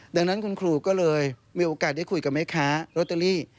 ดังนั้นคุณครูก็เลยมีโอกาสได้คุยกับแม่ค้าโรตเตอรี่